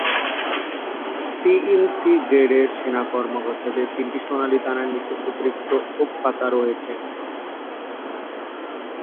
C-in-C গ্রেডের সেনা কমান্ডারদের তিনটি সোনালি তারার নিচে অতিরিক্ত ওক পাতা রয়েছে।